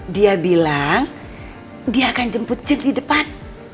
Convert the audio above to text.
dia bilang dia akan jemput jeep di depan